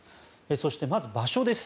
そして、まず場所です。